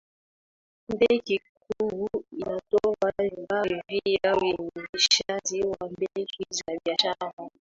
benki kuu inatoa vibari vya uendeshaji wa benki za biashrara